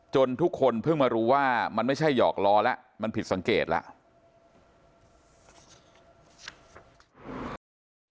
ทุกคนเพิ่งมารู้ว่ามันไม่ใช่หยอกล้อแล้วมันผิดสังเกตแล้ว